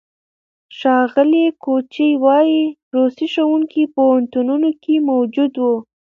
ښاغلي کوچي وايي، روسي ښوونکي پوهنتونونو کې موجود وو.